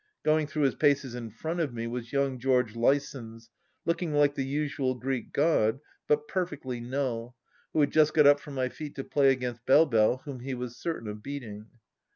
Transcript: Going through his paces in front of me, was young George Lysons, looking like the usual Greek god, but per fectly null, who had just got up from my feet to play against Belle Belle, whom he was certain of beating.